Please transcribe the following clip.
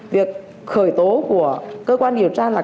việc khởi tố của cơ quan điều tra